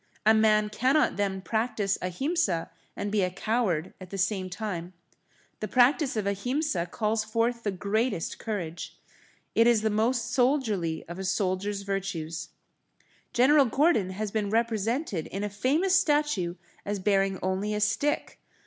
A man cannot then practice Ahimsa and be a coward at the same time. The practice of Ahimsa calls forth the greatest courage. It is the most soldierly of a soldier's virtues. General Gordon has been represented in a famous statue as bearing only a stick.